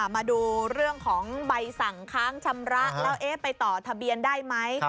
มาดูเรื่องของใบสั่งค้างชำระแล้วไปต่อทะเบียนได้ไหม